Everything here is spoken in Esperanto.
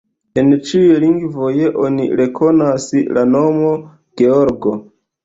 En ĉiuj lingvoj oni rekonas la nomo: Georgo.